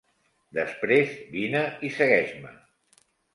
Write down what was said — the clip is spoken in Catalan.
Després vine i segueix-me.